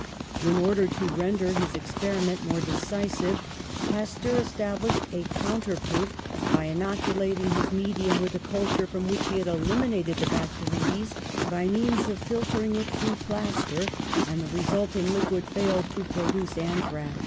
In order to render his experiment more decisive Pasteur established a counter proof by inoculating his THE CURATIVE POISON 125 medium with a culture from which he had elim inated the bacterides by means of filtering it through plaster, and the resulting liquid failed to produce anthrax.